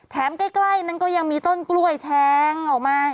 ใกล้นั้นก็ยังมีต้นกล้วยแทงออกมา